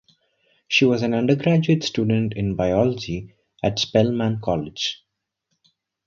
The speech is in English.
She was an undergraduate student in biology at Spelman College.